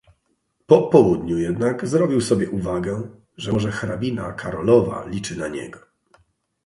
"Po południu jednak zrobił sobie uwagę, że może hrabina Karolowa liczy na niego."